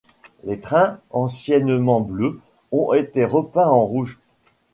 Les trains, anciennement bleus, ont été repeints en rouge.